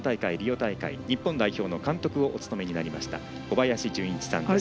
大会で日本代表の監督をお務めになりました小林順一さんです。